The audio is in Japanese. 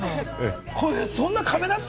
そんな壁だった？